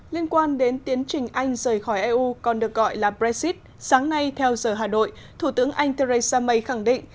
liên quan đến tiến trình anh rời khỏi eu còn được gọi là brexit sáng nay theo giờ hà nội thủ tướng anh theresa may khẳng định